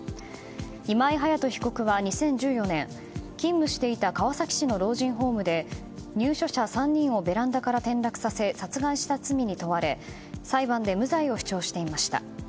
今井隼人被告は２０１４年勤務していた川崎市の老人ホームで入所者３人をベランダから転落させ殺害した罪に問われ裁判で無罪を主張していました。